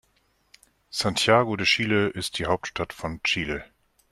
Santiago de Chile ist die Hauptstadt von Chile.